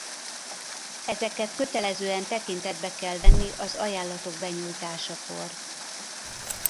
Ezeket kötelezően tekintetbe kell venni az ajánlatok benyújtásakor.